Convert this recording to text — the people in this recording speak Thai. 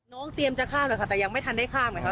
เตรียมจะข้ามเลยค่ะแต่ยังไม่ทันได้ข้ามไงค่ะ